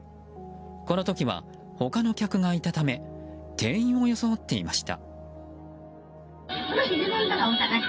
この時は他の客がいたため店員を装っていました。